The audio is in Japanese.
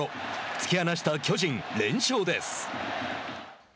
突き放した巨人連勝です。